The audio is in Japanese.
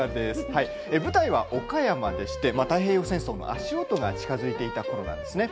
舞台は岡山でして太平洋戦争の足音が近づいていたころです。